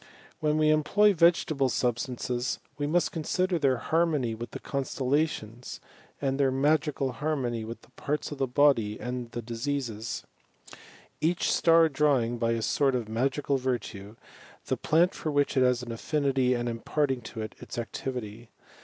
When we employ vegetable substances, we nrast consider th«r harmony with the constellations, and their magical harmony with the parts of the body and the dis^ises, each star drawing, by a sort of magical virtue, the plant for which it has an affinity, and imparting to it Its activitv.